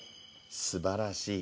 すばらしい。